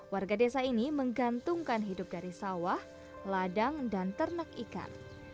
warga desa ini menggantungkan hidup dari sawah ladang dan ternak ikan